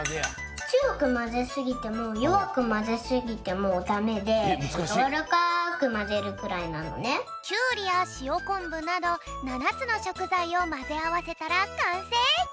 つよくまぜすぎてもよわくまぜすぎてもだめできゅうりやしおこんぶなど７つのしょくざいをまぜあわせたらかんせい！